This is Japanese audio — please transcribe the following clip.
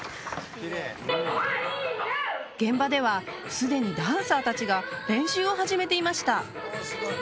現場では既にダンサー達が練習を始めていました速い！